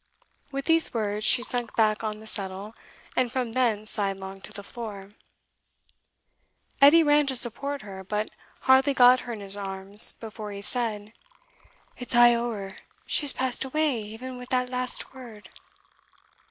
With these words she sunk back on the settle, and from thence sidelong to the floor. Note I. Elspeth's death. Edie ran to support her, but hardly got her in his arms, before he said, "It's a' ower she has passed away even with that last word."